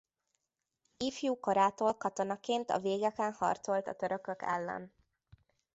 Ifjú korától katonaként a végeken harcolt a törökök ellen.